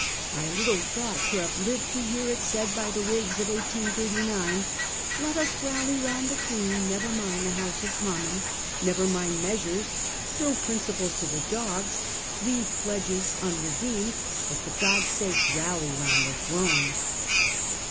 ... I little thought to have lived to hear it said by the Whigs of 1839, " Let us rally round the Queen ; never mind the House of Commons ; never mind measures ; throw principles to the dogs ; leave pledges unredeemed ; but for G od's sake rally round the throne."